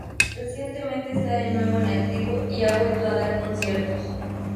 Recientemente está de nuevo en activo y ha vuelto a dar conciertos.